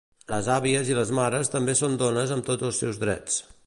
Les àvies i les mares també són dones amb tots els seus drets.